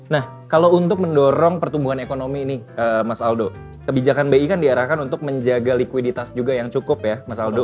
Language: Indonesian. nah kalau untuk mendorong pertumbuhan ekonomi ini mas aldo kebijakan bi kan diarahkan untuk menjaga likuiditas juga yang cukup ya mas aldo